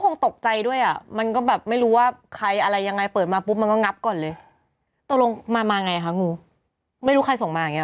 นี่ไปเอาอะไรมาเนี่ย